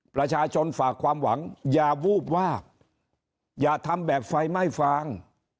ประชาชนฝากความหวังอย่าวูบวาบอย่าทำแบบไฟไม่ฟาง